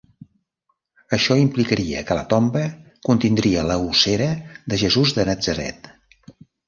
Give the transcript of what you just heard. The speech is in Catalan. Això implicaria que la tomba contindria l'ossera de Jesús de Natzaret.